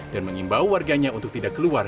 dan mengimbau warganya untuk tidak keluar